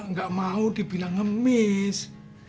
bapak gak mau dibilang ngemis